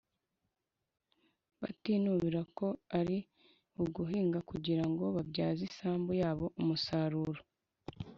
batinubira ko ari uguhinga kugira ngo babyaze isambu yabo umusaruro